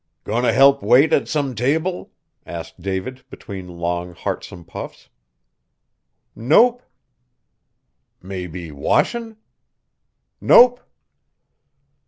"Goin' t' help wait at some table?" asked David between long, heartsome puffs. "Nope." "Maybe, washin'?" "Nope."